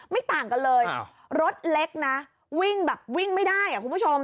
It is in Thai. ต่างกันเลยรถเล็กนะวิ่งแบบวิ่งไม่ได้อ่ะคุณผู้ชม